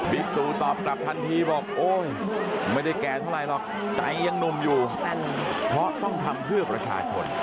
ตูตอบกลับทันทีบอกโอ๊ยไม่ได้แก่เท่าไรหรอกใจยังหนุ่มอยู่เพราะต้องทำเพื่อประชาชน